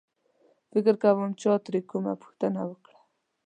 فکر کوم چا ترې کومه پوښتنه وکړه.